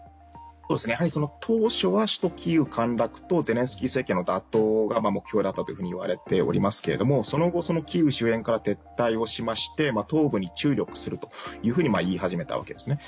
やはり当初は首都キーウ陥落とゼレンスキー政権の打倒が目標だったといわれていますがその後、キーウ周辺から撤退をしまして東部に注力するというふうに言い始めたわけですね。